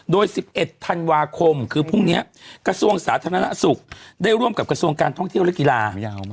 โดย๑๑ธันวาคมคือพรุ่งนี้กระทรวงสาธารณสุขได้ร่วมกับกระทรวงการท่องเที่ยวและกีฬายาวมาก